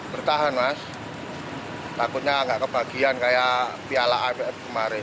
bertahan mas takutnya gak kebagian kayak piala apf kemarin